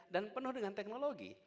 dan penuh dengan teknologi